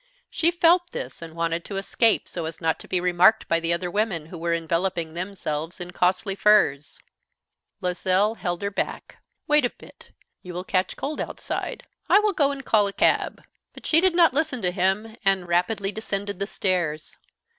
She felt this and wanted to escape so as not to be remarked by the other women, who were enveloping themselves in costly furs. Loisel held her back. "Wait a bit. You will catch cold outside. I will go and call a cab." But she did not listen to him, and rapidly descended the stairs.